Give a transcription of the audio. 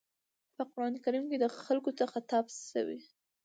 په قرآن کريم کې خلکو ته خطاب شوی.